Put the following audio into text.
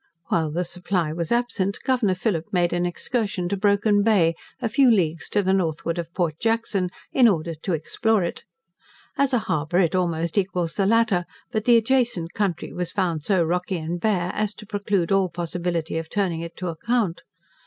While the 'Supply' was absent, Governor Phillip made an excursion to Broken Bay, a few leagues to the northward of Port Jackson, in order to explore it. As a harbour it almost equals the latter, but the adjacent country was found so rocky and bare, as to preclude all possibility of turning it to account.